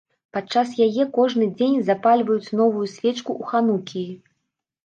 Падчас яе кожны дзень запальваюць новую свечку ў ханукіі.